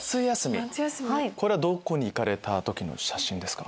これはどこに行かれた時の写真ですか？